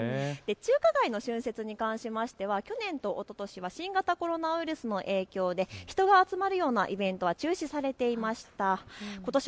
中華街の春節に関しましては、去年とおととしは新型コロナウイルスの影響で人が集まるようなイベントは中止されていました。